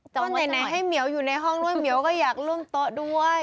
ตั้งแต่ไหนให้เหมียวอยู่ในห้องด้วยเหมียวก็อยากร่วมโต๊ะด้วย